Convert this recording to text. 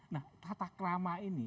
nah tata kelama ini